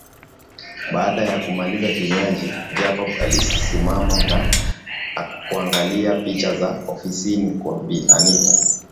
Baada ya kumaliza kinywaji Jacob alisimama na kuangalia picha za ofisini kwa bi anita